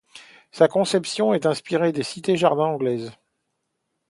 Sa conception est inspirée des cités-jardins anglaises.